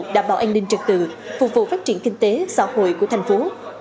đảm bảo an ninh trực tự phục vụ phát triển kinh tế xã hội của thành phố